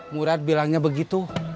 murad bilangnya begitu